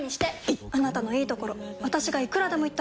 いっあなたのいいところ私がいくらでも言ってあげる！